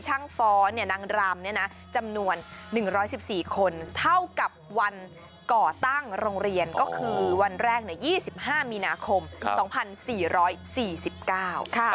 ช่างฟ้อนี่นางรำเนี่ยนะจำนวน๑๑๔คนเท่ากับวันก่อตั้งโรงเรียนก็คือวันแรก๒๕มีนาคม๒๔๔๙ค่ะ